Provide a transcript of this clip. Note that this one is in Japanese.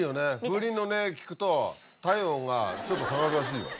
風鈴の音聞くと体温がちょっと下がるらしいよ。